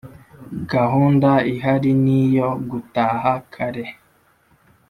gahunda ihari niyo gutaha kare